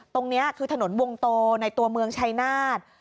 ตรงนี้คือถนนวงโตในตัวเมืองชายนาฏ